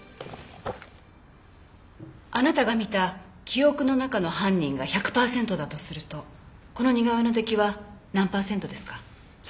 あなたが見た記憶の中の犯人が１００パーセントだとするとこの似顔絵の出来は何パーセントですか？